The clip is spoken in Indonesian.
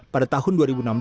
pada tahun dua ribu enam belas